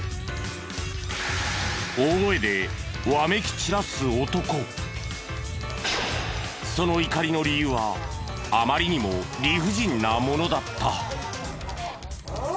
大声でその怒りの理由はあまりにも理不尽なものだった。